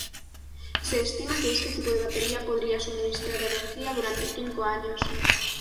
Se estima que este tipo de batería podría suministrar energía durante cinco años.